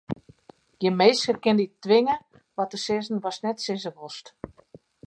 Gjin minske kin dy twinge wat te sizzen watst net sizze wolst.